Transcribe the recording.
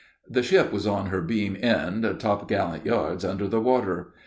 The ship was on her beam end, top gallant yards under the water.